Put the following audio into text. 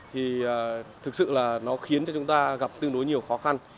thì thực sự là nó khiến cho chúng ta gặp tương đối nhiều khó khăn